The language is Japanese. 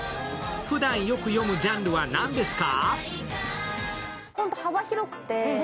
ふだんよく読むジャンルは何ですか？